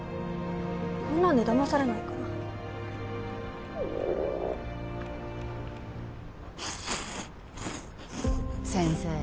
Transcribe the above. こんなんでだまされないから先生